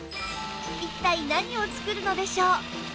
一体何を作るのでしょう？